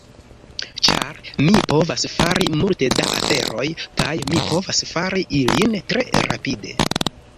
ĉar mi povas fari multe da aferoj, kaj mi povas fari ilin tre rapide